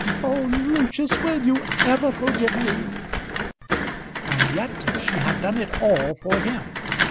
Oh! Lucius, will you ever forgive me?" And yet she had done it all for him.